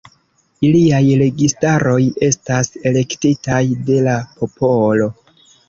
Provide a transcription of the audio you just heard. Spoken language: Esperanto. Iliaj registaroj estas elektitaj de la popolo.